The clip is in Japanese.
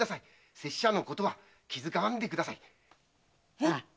拙者のことは気遣わんでください。